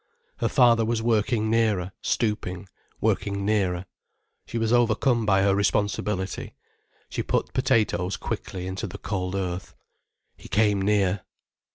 Her father was working nearer, stooping, working nearer. She was overcome by her responsibility. She put potatoes quickly into the cold earth. He came near.